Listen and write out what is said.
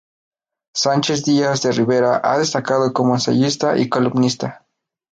Sánchez Díaz de Rivera ha destacado como ensayista y columnista.